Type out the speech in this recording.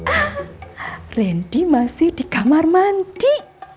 ah randy masih di kamar mandi